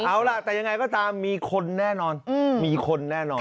เอาล่ะแต่ยังไงก็ตามมีคนแน่นอนมีคนแน่นอน